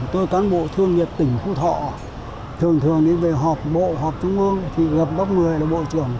tôi cán bộ thương nghiệp tỉnh khu thọ thường thường đi về hợp bộ hợp trung ương thì gặp bác mười là bộ trưởng